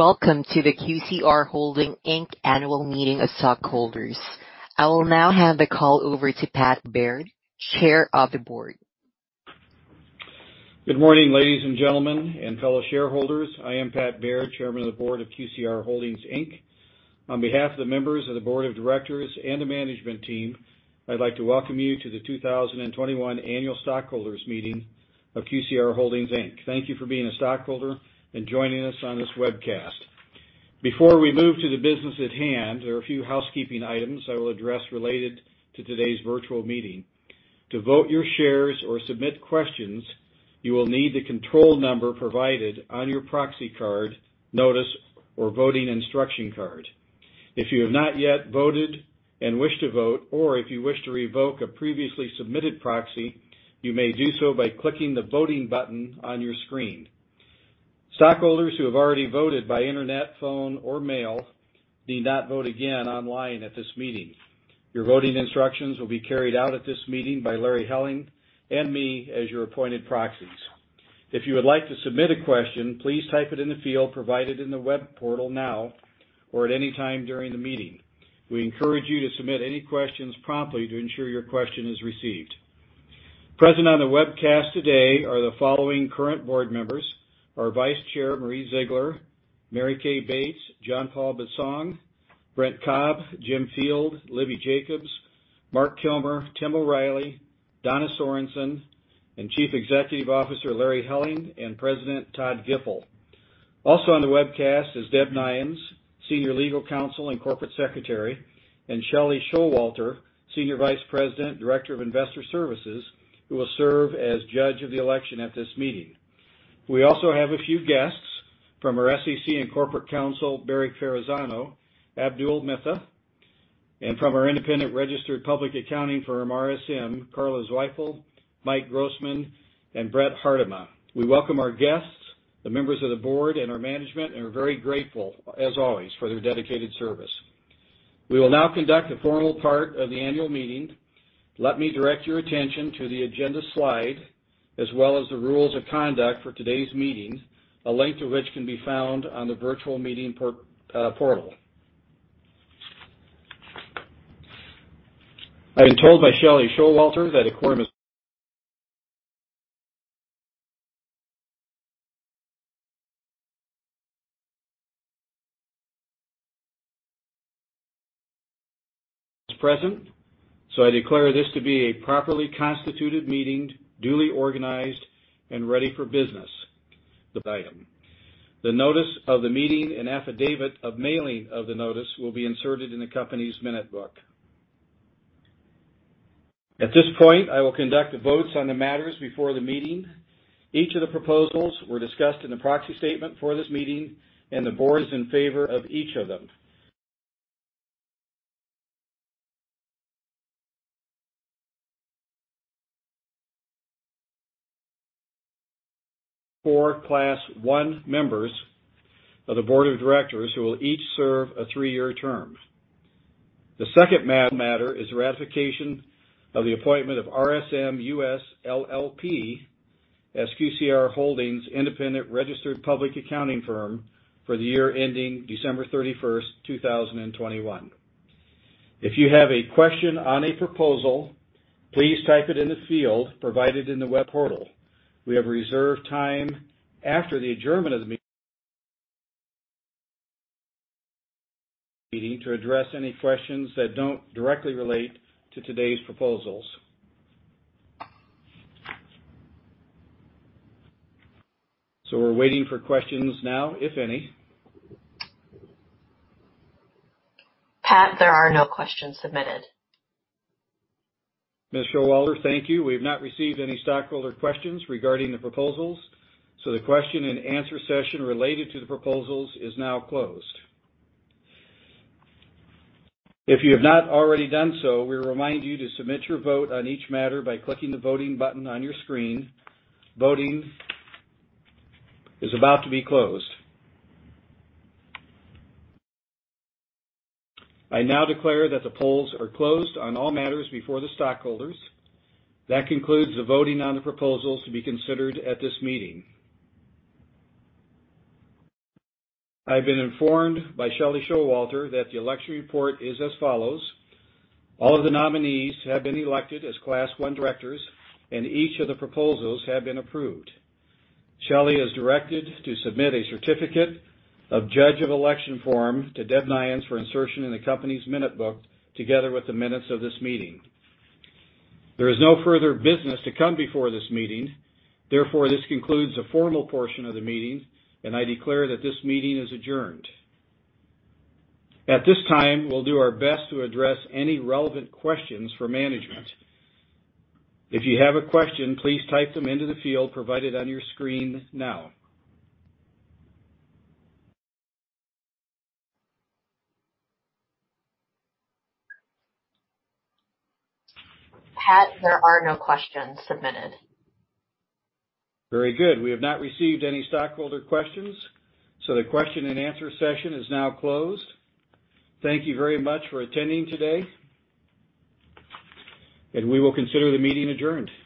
Welcome to the QCR Holdings, Inc annual meeting of stockholders. I will now hand the call over to Pat Baird, Chair of the Board. Good morning, ladies and gentlemen and fellow shareholders. I am Pat Baird, Chairman of the Board of QCR Holdings, Inc. On behalf of the members of the board of directors and the management team, I'd like to welcome you to the 2021 annual stockholders meeting of QCR Holdings, Inc. Thank you for being a stockholder and joining us on this webcast. Before we move to the business at hand, there are a few housekeeping items I will address related to today's virtual meeting. To vote your shares or submit questions, you will need the control number provided on your proxy card, notice, or voting instruction card. If you have not yet voted and wish to vote, or if you wish to revoke a previously submitted proxy, you may do so by clicking the voting button on your screen. Stockholders who have already voted by internet, phone, or mail need not vote again online at this meeting. Your voting instructions will be carried out at this meeting by Larry Helling and me as your appointed proxies. If you would like to submit a question, please type it in the field provided in the web portal now or at any time during the meeting. We encourage you to submit any questions promptly to ensure your question is received. Present on the webcast today are the following current board members, our Vice Chair, Marie Ziegler, Mary Kay Bates, John-Paul Besong, Brent Cobb, Jim Field, Libby Jacobs, Mark Kilmer, Tim O'Reilly, Donna Sorensen, and Chief Executive Officer, Larry Helling, and President, Todd Gipple. Also on the webcast is Deb Neyens, General Counsel & Corporate Secretary, and Shellee Showalter, Senior Vice President of Equity Administration & Executive Compensation, who will serve as judge of the election at this meeting. We also have a few guests from our SEC and corporate counsel, Barack Ferrazzano, Abdul Mitha, and from our independent registered public accounting firm, RSM, Carlos Seifel, Mike Grossman, and Brett Hardiman. We welcome our guests, the members of the board, and our management, and are very grateful, as always, for their dedicated service. We will now conduct the formal part of the annual meeting. Let me direct your attention to the agenda slide, as well as the rules of conduct for today's meeting, a link to which can be found on the virtual meeting portal. I've been told by Shellee Showalter that. Present. I declare this to be a properly constituted meeting, duly organized and ready for business. The notice of the meeting and affidavit of mailing of the notice will be inserted in the company's minute book. At this point, I will conduct the votes on the matters before the meeting. Each of the proposals were discussed in the proxy statement for this meeting, and the board is in favor of each of them. Four Class one members of the board of directors who will each serve a three-year term. The second matter is ratification of the appointment of RSM US LLP as QCR Holdings independent registered public accounting firm for the year ending December 31st, 2021. If you have a question on a proposal, please type it in the field provided in the web portal. We have reserved time after the adjournment of the meeting to address any questions that don't directly relate to today's proposals. We're waiting for questions now, if any. Pat, there are no questions submitted. Ms. Showalter, thank you. We've not received any stockholder questions regarding the proposals, so the question and answer session related to the proposals is now closed. If you have not already done so, we remind you to submit your vote on each matter by clicking the voting button on your screen. Voting is about to be closed. I now declare that the polls are closed on all matters before the stockholders. That concludes the voting on the proposals to be considered at this meeting. I've been informed by Shellee Showalter that the election report is as follows. All of the nominees have been elected as Class one directors, and each of the proposals have been approved. Shellee is directed to submit a certificate of judge of election form to Deborah Neyens for insertion in the company's minute book together with the minutes of this meeting. There is no further business to come before this meeting. Therefore, this concludes the formal portion of the meeting, and I declare that this meeting is adjourned. At this time, we'll do our best to address any relevant questions for management. If you have a question, please type them into the field provided on your screen now. Pat Baird, there are no questions submitted. Very good. We have not received any stockholder questions, so the question and answer session is now closed. Thank you very much for attending today, and we will consider the meeting adjourned.